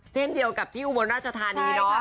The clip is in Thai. เช่นเดียวกับที่อุบลราชธานีนะคะ